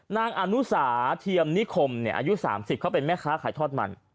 นางอนุสาเทียมนิคมอายุ๓๐เขาเป็นแม่ค้าขายทอดมัน